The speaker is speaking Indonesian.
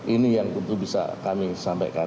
ini yang tentu bisa kami sampaikan